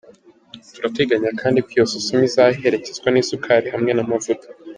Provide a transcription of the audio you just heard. Turateganya kandi ko iyo sosoma izaherekezwa n’isukari hamwe n’amavuta.